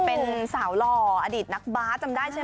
เป็นสาวหล่ออดีตนักบาสจำได้ใช่ไหม